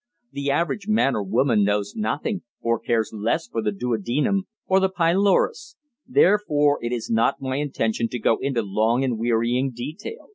The average man or woman knows nothing or cares less for the duodenum or the pylorus; therefore it is not my intention to go into long and wearying detail.